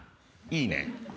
いいね。